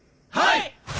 はい！